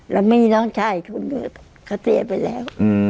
แล้วมีน้องชายทุกคนเขาเสียไปแล้ว